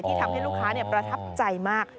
ทำให้ลูกค้าประทับใจมาก